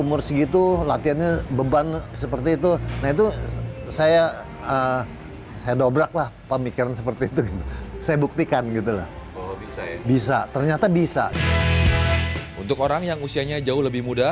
untuk orang yang usianya jauh lebih muda